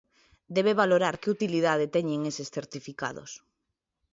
Debe valorar que utilidade teñen eses certificados.